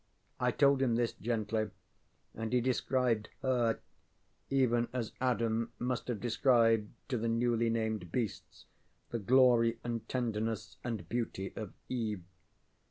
I told him this gently; and he described Her, even as Adam must have described to the newly named beasts the glory and tenderness and beauty of Eve.